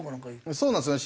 そうなんですよね。